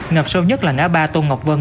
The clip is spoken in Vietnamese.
ngập sâu nhất là ngã ba tôn ngọc vân